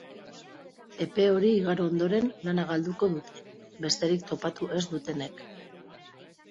Epe hori igaro ondoren lana galduko dute, besterik topatu ez dutenek.